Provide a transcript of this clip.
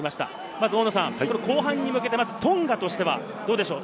まず後半に向けてトンガとしてはどうでしょう？